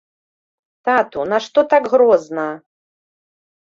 Тату, нашто так грозна!